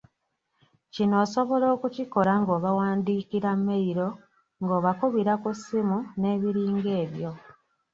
Kino osobola okukikola ng’obawandiikira mmeyiro, ng’obakubira ku ssimu n’ebiringa ebyo.